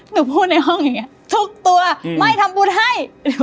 หนูพูดในห้องอย่างนี้ทุกตัวไม่ทำบุญให้